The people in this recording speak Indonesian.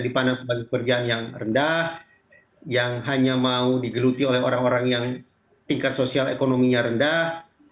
dipandang sebagai pekerjaan yang rendah yang hanya mau digeluti oleh orang orang yang tingkat sosial ekonominya rendah